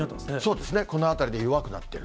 そうですね、この辺りで弱くなっている。